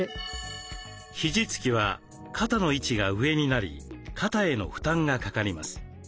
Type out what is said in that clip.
肘つきは肩の位置が上になり肩への負担がかかります。